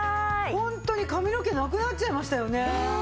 ホントに髪の毛なくなっちゃいましたよね。